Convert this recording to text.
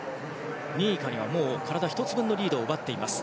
２位以下には体１つ分のリードを奪っています。